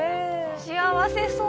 幸せそう。